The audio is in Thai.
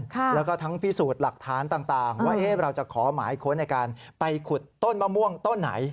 แล้วก็ทั้งพิสูจน์หลักฐานต่างว่าเราจะขอหมายค้นในการไปขุดต้นมะม่วงต้นไหน